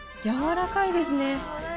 柔らかいですね。